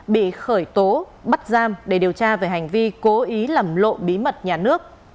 bị khởi tố bắt giam để điều tra về hành vi cố ý làm lộ bí mật nhà nước